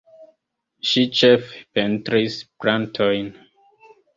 Ŝi ĉefe pentris plantojn.